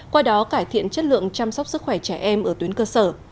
qua đó cải thiện chất lượng chăm sóc sức khỏe trẻ em ở tuyến cơ sở